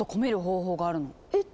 えっ！